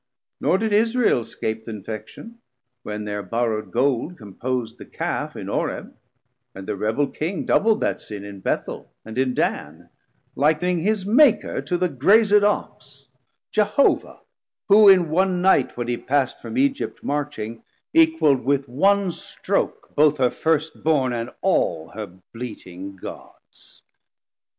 Nor did Israel scape Th' infection when their borrow'd Gold compos'd The Calf in Oreb: and the Rebel King Doubl'd that sin in Bethel and in Dan, Lik'ning his Maker to the Grazed Ox, Jehovah, who in one Night when he pass'd From Egypt marching, equal'd with one stroke Both her first born and all her bleating Gods.